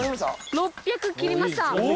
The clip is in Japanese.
６００切りました。